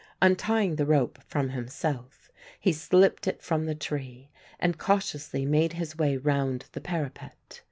Untying the rope from himself, he slipped it from the tree and cautiously made his way round the parapet.